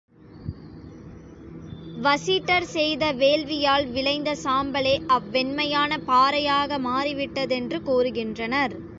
வசிட்டர் செய்த வேள்வியால் விளைந்த சாம்பலே அவ் வெண்மையான பாறையாக மாறிவிட்டதென்று கூறுகின்றனர்.